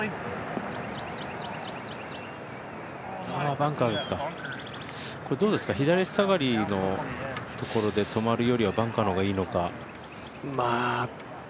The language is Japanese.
バンカーですか、左足下がりのところで止まるよりはバンカーの方がいいのか。